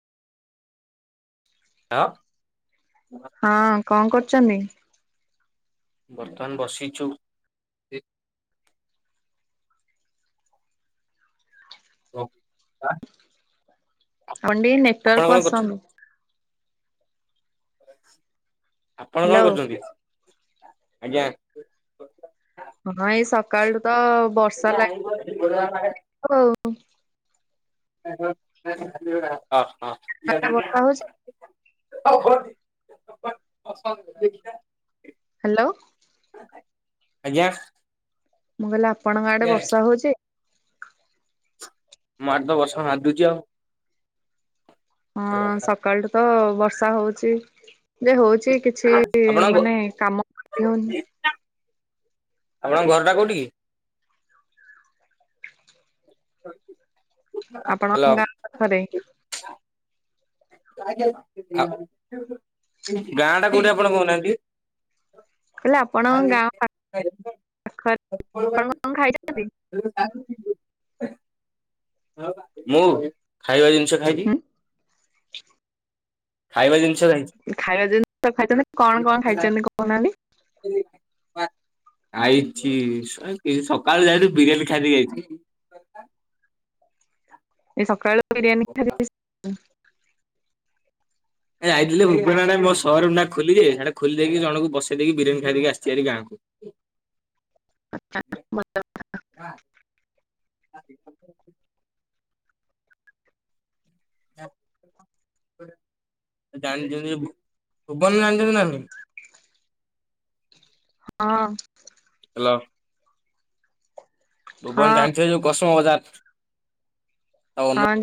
ଆଁ। ହଁ କଣ କରୁଚନ୍ତି? ବର୍ତ୍ତମାନ ବସିଚୁ ତ କା ଅଣ୍ଡି ନେଟୱର୍କ୍ କୁ ଆସନ୍ତୁ ଆପଣ କଣ ହ୍ୟାଲୋ କରୁଛନ୍ତି? ଆଜ୍ଞା। ହଁ, ଏଇ ସକାଳୁ ତ ବର୍ଷା ଲାଗିରହିଚି ଆଉ। ଓ ଆଡେ ବର୍ଷା ହଉଛି? ହୋ [inaudible] ପସନ୍ଦ ଦେଖିଆ ହାଲୋ। ଆଜ୍ଞା? ମୁଁ କହିଲି ଆପଣଙ୍କ ଆଡେ ବର୍ଷା ହଉଚି? ମାରଦ ବର୍ଷା ନାଦୁଚି ଆଉ। ହଁ, ସକାଳୁ ତ ବର୍ଷା ହଉଚି। ଯେ ହଉଛି କିଛି ଆପଣଙ୍କ ମାନେ କାମ କରି ହଉନି। ଆପଣଙ୍କ ଘର ଟା କୋଉଟି କି? ତାଙ୍କୁ ଆପଣଙ୍କ ଗାଁ ପାଖରେ। ଗାଁ ଟା କୋଉଠି ଆପଣ କହୁନାହାନ୍ତି? ହେଲେ ଆପଣ ଗାଁ ପାଖ ପାଖରେ। ଆପଣ କଣ ଖାଇଛନ୍ତି? [inaudible] ମୁଁ ଖାଇବା ଜିନିଷ ଖାଇବି। ହୁଁ ଖାଇବା ଜି ଖାଇବା ଜିନିଷ ଖାଇଛନ୍ତି କଣ କଣ ଖାଇଛନ୍ତି କହୁନାହାନ୍ତି? [inaudible] ଆଇଛି ସକାଳୁ ଯାଇକି ବିରିୟାନୀ ଖାଇଦେଇକି ଆଇଚି। ଏ ସକାଳୁ ବିରିୟାନୀ ଖାଇ ଯାଇଥିଲି ଭୁବନ ଆଡେ ମୋ ସୋ ରୁମ୍ ଟା ଖୋଲିକି ସେଟା ଖୋଲି ଦେଇକି ଜଣଙ୍କୁ ବସେଇ ଦେଇକି, ବିରିଆନି ଖାଇଦେଇକି ଆସିଚି ହେରି ଗାଁକୁ। ଆଚ୍ଛା [inaudible] ଆ [inaudible] ଜାଣିଛନ୍ତି ଭୁବନ ଜାଣିଛନ୍ତି ନା ନାହିଁ? ହଁ। [unintelligible] ହଁ ଭୁବନ ଯାଇଛ ଯୋ କଷ୍ଟ ମଜା। ହଁ